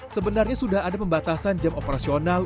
sebenarnya sudah ada pembatasan jam operasional